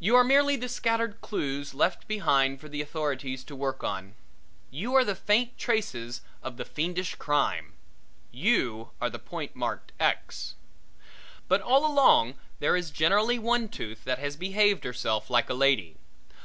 You are merely the scattered clews left behind for the authorities to work on; you are the faint traces of the fiendish crime. You are the point marked X. But all along there is generally one tooth that has behaved herself like a lady.